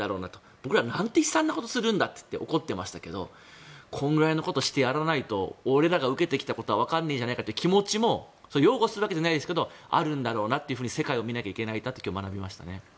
僕ら、何て悲惨なことをするんだろうと怒っていましたけどこのくらいのことをしてやらないと俺らが受けてきたことは分からないじゃないかという気持ちも擁護するわけじゃないですけどあるんだろうなというふうに世界を見ないといけないと今日は学びましたね。